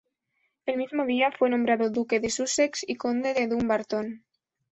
El mismo día, fue nombrado Duque de Sussex y Conde de Dumbarton.